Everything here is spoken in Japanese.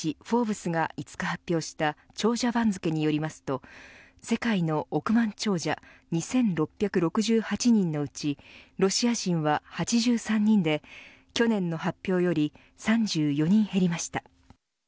フォーブスが５日発表した長者番付によりますと世界の億万長者２６６８人のうちロシア人は８３人で去年の発表より３４人減りました。